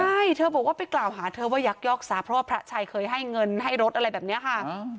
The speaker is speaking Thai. ใช่เธอบอกว่าไปกล่าวหาเธอว่ายักยอกทรัพย์เพราะว่าพระชัยเคยให้เงินให้รถอะไรแบบนี้ค่ะ